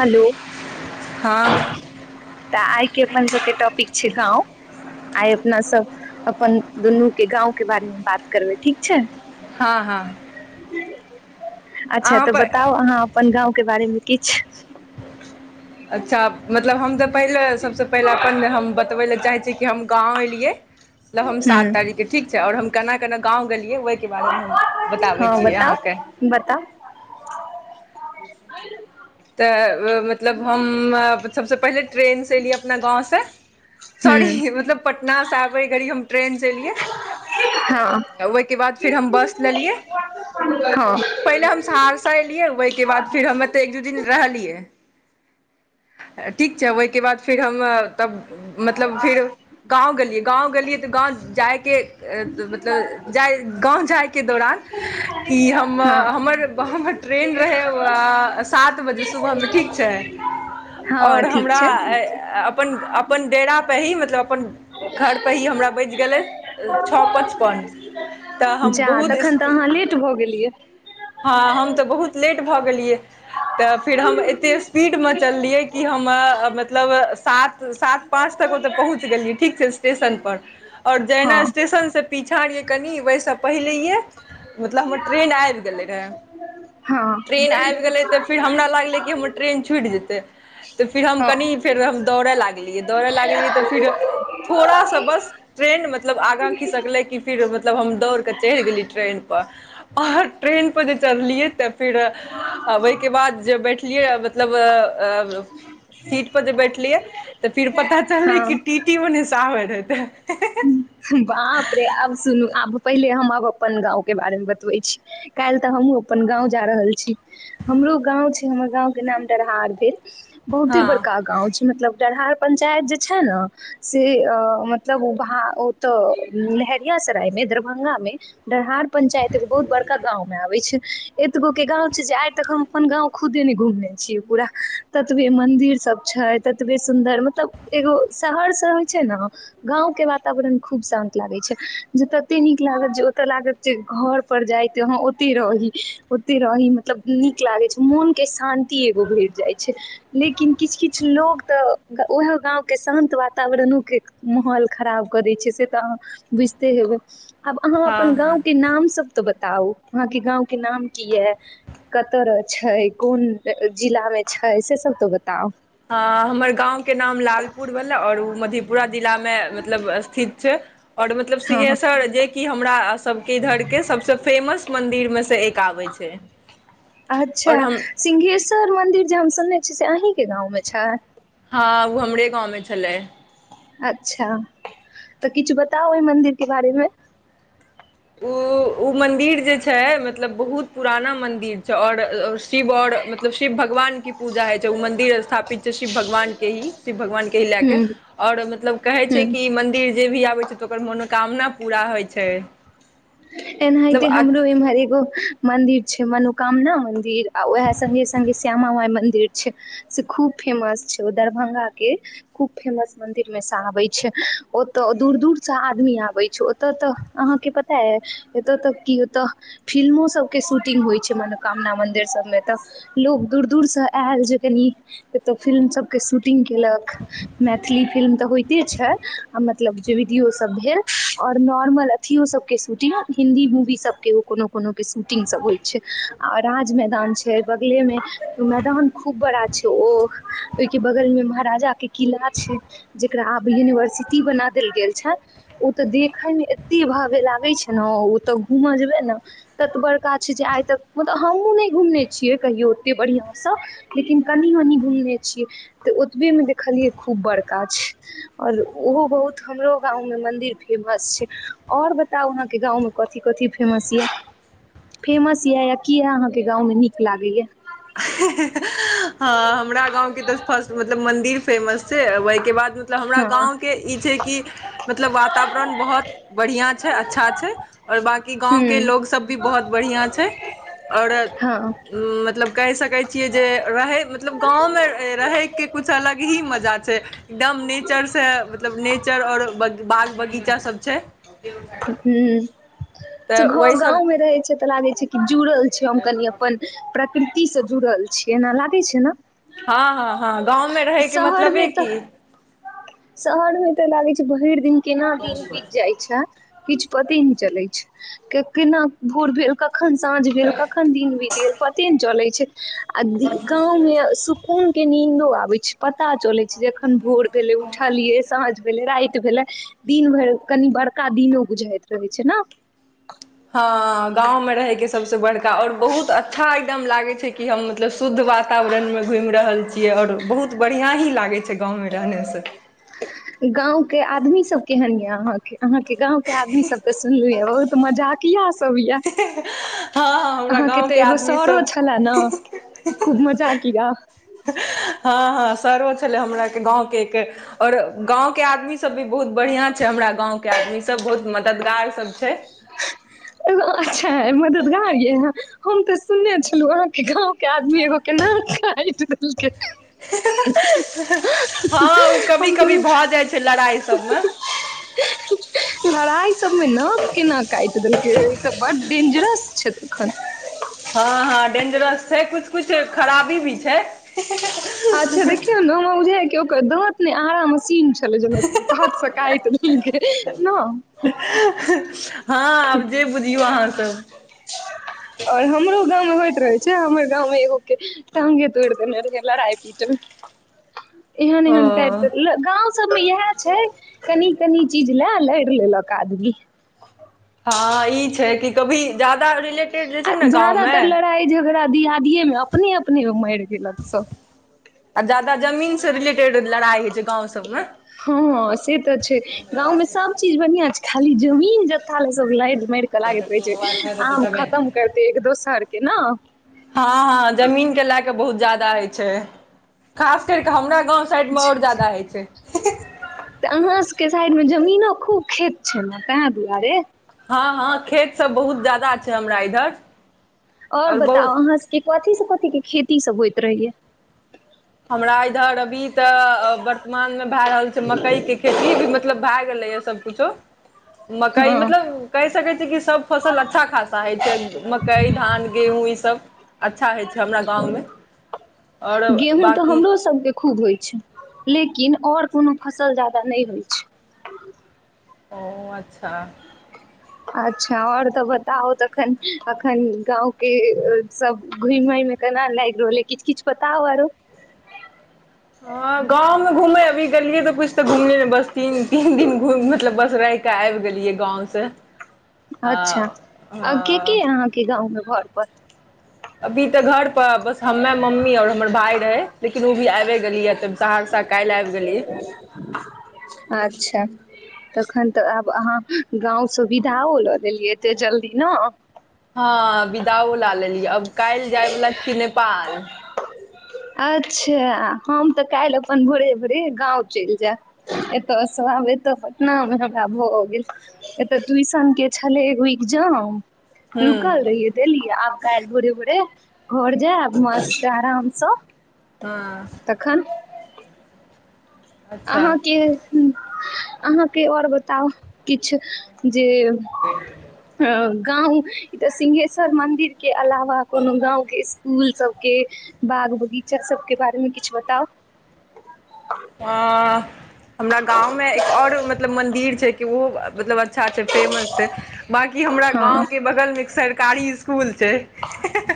hello हँ तऽ आइ के अपन सबके टॉपिक छै गाँव आइ अपना सब अपन दुनू के गाँंव के बारेमे बात करबै ठीक छै आहाँ अच्छा तऽ बताउ अहाँ अपन गाँके बारेमे किछ अच्छा मतलब हम तब पहिले सभसँ पहिले अपन हम बतबै लए चाहै छीै कि हम गाँव एलियै मतलब हम सात हूँ तारीख के ठीक छै और हम केना केना गाँव गेलै ओहिके बारेमे हम बताबै हँ छी अहाँके बताउ बताउ [inaudible] तऽ मतलब हम सभसँ पहिले ट्रेनसँ एलियै अपना गाँवसँ हूँ सॉरी मतलब पटना से आबै घड़ी हम ट्रेनसँ एलियै हँ ओहिके बाद फिर हम बस लेलियै पहिले हम सहरसा एलियै ओहिके बाद फेर ह दू दिन रहलीय छै ओहिके बाद फेर हम मतलब फिर गाँव गेलियै गाँव गेलियै तऽ गाँव जाइके मतलब जा गाँव जायके दौरान की हँ हमर हँ हमर हमर ट्रेन रहै संत सुबह में ठीक छै हँ और ठीक हमरा छै ऐइ अपन अपन डेरापर ही मतलब अपन घरपर ही हमरा बचि गेलै छ पचपन तऽ हम जा बहुत तखन तऽ स्पी अहाँ लेट भऽ गेलियै हँ हम तऽ बहुत लेट भऽ गेलियै तऽ फेर हम एते स्पीडमे चललियै कि हम मतलब सात सात पाँच तक पहुँच गेलियै ठीक छै स्टेशन पर आओर हँ जेहिना स्टेशन से पीछा एलियै कनि वैस पहिलहिए मतलब हमर ट्रेन आबि गेलाह रहै हँ ट्रेन आबि गेलै तऽ फेर हमरा लागलै कि हमर ट्रेन छूट जेतै तऽ फेर हम हँ कनि फेर हम दौड़य लागलियै दौड़य लागलियै तऽ फिर थोड़ा सा बस ट्रेन मतलब आगाँ खीसकले की फिर मतलब हम दौड़ के च ढ़ गेलियै ट्रेन पर आओर ट्रेन पर जे चढ़लियै तऽ फेर अबै जे बैठलियै मतलब सीट पर जे बैठलियै तऽ फिर पता चलले हँ कि टी टी ओनै से आबै रहै बाप रे आब सुन आब पहिले हम आब अपन गाउँ के बारेमे बतबै छी काल्हि तऽ हमहुँ अपन गाउँ जा रहल छी हमरो गाउँ छै हमर गांव के नाम डरहार भेल बहुत ही हँ बड़का गाँव छै मतलब डरहार पंचायत जे छै ने से मतलब मतलब ओ बहा उ तऽ लहरियासराय में दरभंगा मे डरहार पंचायत एगो बहुत बड़का गाउँ मे आबै छै एतगोक गाउँ छै जे आइ तक हम अपन गाउँ खुदे ने घुमल छी पूरा ततबे मन मन्दिर सब छै ततबे सुन्दर मतलब एगो शहर सब होइ छै ने गांव के वातावरण खूब शान्त लागे छै जे तते नीक लागत जे ओते लागत जे घर पर जाय ओते रही ओते रही मतलब नीक लागे छै मोन के शान्ति एगो भेट जाय लेकिन किछु किछु लोग तऽ उएह गाउँ के शान्त वातावरणोके माहौल खराब कऽ दैय छै से तऽ अहाँ बुझिते हेबै आब अहाँ हँ अपन हँ गाउँ के नामसभ तो बताउ अहाँ के गाउँ के नाम की यै कत छै कोन जिला मे छै से सब तो बताउ ह हमर गाँंव के नाम लालपुर भेला और ओ मधेपुरा जिला में मतलब स्थित छै और मतलब हँ सिंघेस्वर जे कि हमरा सबके इधरके सबसे फेमस मन्दिर मे से एक आबै छै अच्छा आओर हम सिंघेश्वर मन्दिर जे हम सुनने छ से अहीके गाँवमे छै हँ ओ हमरे गाँवमे छलै अच्छा तऽ किछु बताउ ओहि मन्दिरके बारेमे ओ उ मन्दिर जे छै मतलब बहुत पुराना मन्दिर छै आओर शिव आओर मतलब शिव भगवान के पूजा हय छै उ मंदिर स्थापित छै शिव भगवान के ही शिव भगवान के ही लए के हूँ आओर मतलब कहै हूँ छै कि मन्दिर जे भी आबै छै तऽ ओकर मनो कामना पूरा होइ छै एनाहिते हमरो मतलब इमहर एगो मन्दिर छै मनोकामना मन्दिर आ ओएह सङ्गे सङ्गे श्यामा माइ मन्दिर छै से खूब फेमस छै ओ दरभंगा के खूब फेमस मंदिर मे से आबे छै ओतऽ दूर दूर स आदमी आबे छै ओतऽ तऽ अहाँके पता एतय तक की ओतय फिल्मो सबके शूटिंग होइ छै मनोकामना मंदिर सब मे तऽ लोक दूर दूरसँ आयल जे कनि एतऽ फिल्म सबके शूटिंग केलक मैथिल मैथिली फिल्म तऽ होइते छै मतलब जे विडियो सब भेल और नोरमल अथियौ सब के शूटि हिन्दी मूवी सबके ओ कोनो कोनो के शूटिंग सब होइ छै आ राज मैदान छै बगले में मैदान खूब बड़ा छै ओ ओहि के बगल में महाराजा के किला छै जेकरा आब यूनिवर्सिटी बना देल गेल छै ओ तऽ देखे मे एते भव्य लागै ल छै ने ओ तऽ घूम जेबे ने तत बड़का छै जे आइ तक मतलब हमहुँ ने घूमने छियै कहियो ओते बढ़िया स लेकिन कनि मनि घुमने छिये त ओतबे मे देखलियै खूब बड़ और ओहो बहुत हमरो गाँव मे मन्दिर फेमस छै और बताउ अहाँके गाँव मे कथी कथी फेमस यऽ फेमस यए य की यए अहाँके गाँवमे नीक लागै य हँ हमरा गाँवके तऽ फर्ट मतलब मन्दिर फेमस छै ओइ के बाद मतलब हमरा हँ गाँवके ई छै कि मतलब वातावरण बहुत बढ़िआँ छै अच्छा छै ओर बकी गाँवके हूँ लोग सब भी बहुत बढ़िया छै आओर हँ मतलब कहि सकैत छियै जे रहैत मतलब गाँव मे रहैके कुछ अलग ही मजा छै एकदम नेचर से मतलब नेचर आओर बाग बगीचा सब छै हूँ से तऽ घ ओहि सब गाँंव मे रहे छै तऽ लागे छै कि जुड़ल छै हम कनि अपन प्रकृति से जुड़ल छीयै एना लागे छै न हँ हँ हँ गाँवमे रहैके शहर मे मतलबे तऽ की शहरमे तऽ लागे छै भैर दिन केना दिन बीत जाय छै किछु पते नहि चलैत छै केना भोर भेल क कखन साँझ भेल कखन दिन भीत गेल पते ने चले छै आ गाँव मे सुकून के नींदो आ पता चलै छै जेखन भोर भेलै उठलियै साँझ भेले राति भेले दिन भरि कनि बड़क का दीनो बुझइत रहै छै न हँ गाँवमे रहैके सबसे बड़का और बहुत अच्छा एकदम लागै छै कि हम मतलब शुद्ध वातावरणमे घुइम रहल छियै औरोबहुत बढ़िआँ ही लागै छै गाँवमे रहनेसँ गाँवके सब केहन ये आहाँ के गांव के आदमी सब सुनलु यो त मजाकिया तब य हँ हमरा आहाँ के त गाँंव एगो आदमी सरो सब छलै जाकी या हँ हँ सर्व छलै हमरा के गाँव के एक और गाँव के आदमी सब भी बहुत बढ़िया छै हमरा गाँव के आदमी सब बहुत मददगार सब छै गो अच्छा मददगार य ह हम तऽ सुनने छलहु अहाँके गाँ के आदमी एगो केना काइट देलकै हँ ओ [unintelligible] कभी हम त कभी भऽ जाइ छै लड़ाइ सबमे लड़ाई सबमे ने केना काइट देलकै ई तऽ बड्ड डेंजरस छै तखन हँ हँ डेंजरस छै कछ कुछ खराबी भी छै अच्छा देखियऔ ने हमरा बुझाइ की ओकर दाँत ने आरा मशीन पत स क त न [unintelligible] हँ आब जे बुझियौ अहाँ सब आओर हमरो गाँवमे होइत रहै छै हमर गाँवमे एगो के टांगे तोइड़ देने रहै लड़ाई पीट मे एहन एहन काइट ओ देलै गाँव सबमे इएह छै कनी तनी चीज ल रइर लेलक आदमी हँ ई छै कि कभी जायदा रिलेटेड जे छै ने गाँवमे दीआदिये मे अपने अपने माइर गेलक सब आ जादा जमीन से रिलेटेड लड़ाई होइ छै गाँंव सबमे हँ से तऽ छै गाँंव सब चीज बढ़ियां छै खाली जमीन जथा जे सब लाइद माइरकऽ लागैत रहै छै आम खतम करते एक दोसर के न हँ हँ जमीनके लए कऽ बहुत ज्यादा होइ छै खास करि कऽ हमरा गाँव साइडमे और जादा होइ छै तऽ अहाँ सबके साइडमे जमीनो खूब खेत छै न तै दुआरे हँ हँ खेतसब बहुत ज्यादा छै हमरा इधर और आओर बताउ बहुत अहाँ सबके कथीसँ कथीके खेती सब होइत रहैया हमरा इधर अभी तऽ वर्तमानमे भए रहल छै मकइ के खेती भी मतलब भए गेलैए सब कूछो मकइ हँ मतलब कहि सकै छियै कि सब फसल अच्छा खासा होइ छै मक्कइ धान गेहूँ ईसब अच्छा होइ छै हमरा गाँवमे और गेहूँ तऽ हमरो सबके खूब होइ छै लेकिन और कोनो फसल जादा नहि होइ छै ओ अच्छा अच्छा और तऽ बताउ तखन अखन गाँव के सब घुइमे केना लागि रहल ह किछु किछु बताउ आरो हँ गाँव मे घूमे अभी गेलियै तऽ कुछ तऽ घुम बस तीन तीन दिन घुम मतलब बर रहिका आबि गेलियै गाँव से अच्छा आ के के य अहाँके गाँवमे घरपर अभी तऽ घर पर बस हमे मम्मी और हमर भाय रहै लेकिन ओ भी आइबे गेली तऽ सहरसा काल्हि आइब गेलीयै अच्छा तखन तऽ आब अहाँ गाँव सुविदाओ लऽ लेलियै एते जल्दी ने हँ विदाओ ला लेलियै अब काल् जायवला छी नेपाल अच्छा हम तऽ काल्हि अपन भोरे भोरे गाँव चलि जायब एतऽसँ हम एतऽ पटनामे हमरा भऽ गेल एतऽ ट्यूशन के छलै एगो एग्जाम हूँ रुकल रहिए देलिए आप काल्हि भोरे भोरे घर जैब मसत आराम सँ हँ अच्छा अहाँके अहाँके और बताउ किछु जे हँ गाव शीघेश्र मदिरके अलावा कोनो गावके इसकुल सबके बगीचा सबके बारेमे किछु बताउ हँ अ हमरा गाँवमे एक और मतलब मन्दिर छै कि ओहो मतलब अच्छा छै फेमस छै बाँकी हमरा हँ गाँवके बगलमे एक सरकारी इसकुल छै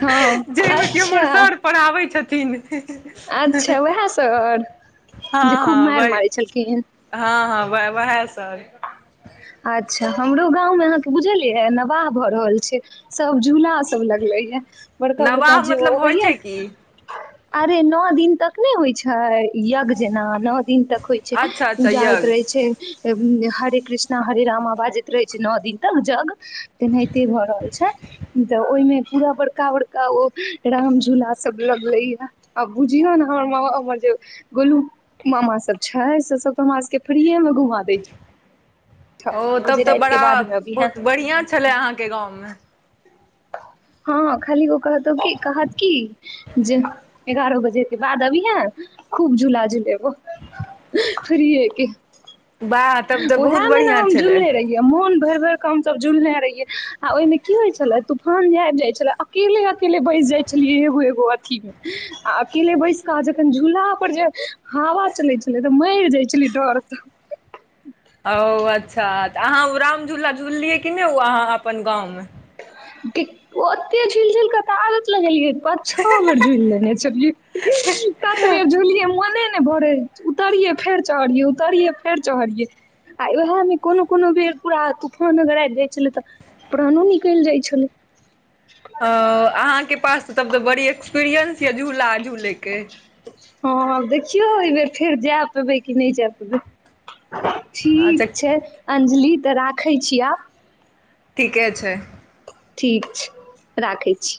हँ कि हमर अच्छा सर पढ़ाबै छथिन अच्छा उहै सर हँ जे खूब हँ मारि वही मारै छलखिन हँ हँ वे वेहे सब अच्छा हमरो गांव में अहाँके बुझलियै नवाह भऽ रहल छै सब झूला सब लगलै पै बड़का बड़का नवाह जे मतलब अबै होइ छै की अरे नौ दिन तक नै होइ छै यज्ञ जेना नौ दिन तक होइ छै अच्छा अच्छा पूजा होइत रहै यज्ञ छै हरे कृष्ण जेना हरे रामा बाजैत रहै छै नौ दिन तक जग तेनाहिते भऽ रहल छै तऽ ओहिमे पूरा बड़का बड़का ओ राम झूला सब लगैया आ बुझिय ने हमर जे गोलू मामा सभ छै से सभ तऽ हमर सभके फिरीएमे घुमा दै छै ओ तब जे तऽ राति बड़ा के बाद मे अबीहे बहुत बढ़िआँ छलै अहाँके गाँवमे हँ खाली ओ कहतौ कहत की जे एगारह बजे बाद अभीहै खूब झूला झुलेबौ फिरीयेके वाह तब तऽ बहुत ओहेमे ने बढ़िआँ हम छलै झुल्ले रहियै मोन भरि भर क हम सब झुलने रहियै आ ओहिमे की होइ छलै तूफान जे आबी जाय छलै अकेले अकेले बै जाइ छलियै एगो एगो अथीमे आ अकेले बैसक जख झूला पर जे हाला च लै छलै त मरि जाइ छलै डर सँ ओ अच्छा तऽ अहाँ ओ राम झूला झूललियै कि नहि ओ अहाँ अपन गाँवमे ओतै झूल जुलक त आदत लगेलियै पांच छ बेर झूल लेने छलियै तत बेर झूलियै मोने भरे उतरियै फेर चढ़ियै उतरियै फेर चढ़ियै आ उहेमे कोनो कोनो बेर पूरा तूफान अगर आबि जाइ छलै तऽ प्राणो नि निली जाइ छलै ओ अहाँके पास तब तऽ बड़ी एक्सपीरियंस यै झूला झूलेके हँ देखियौ एहि बेर फेर जै पेबै कि नहि जै पेबै अच्छा ठीक छै अञ्जलि तऽ राखै छी आब ठीके छै ठीक छै राखै छी